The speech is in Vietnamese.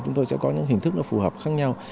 chúng tôi sẽ có những hình thức phù hợp khác nhau